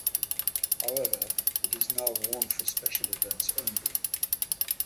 However, it is now worn for special events only.